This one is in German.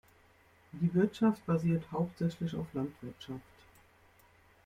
Die Wirtschaft basiert hauptsächlich auf Landwirtschaft.